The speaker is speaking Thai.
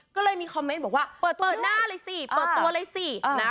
ก็เลยมีคอมเมนต์บอกว่าเปิดหน้าเลยสิเปิดตัวเลยสินะ